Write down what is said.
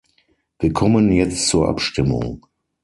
Wir kommen jetzt zur Abstimmung.